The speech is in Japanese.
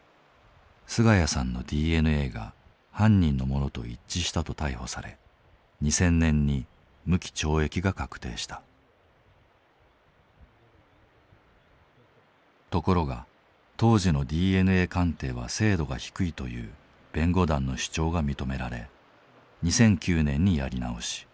菅家さんのＤＮＡが犯人のものと一致したと逮捕されところが当時のＤＮＡ鑑定は精度が低いという弁護団の主張が認められ２００９年にやり直し。